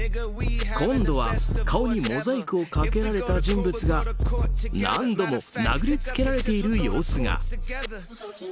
今度は顔にモザイクをかけられた人物が何度も殴りつけられている様子が。